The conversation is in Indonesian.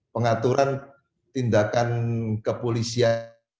pengaturan tindakan kepolisian